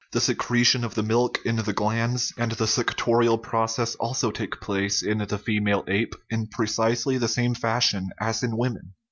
The secretion of the milk in the glands and the suctorial process also take place in the female ape in precisely the same fashion as in women.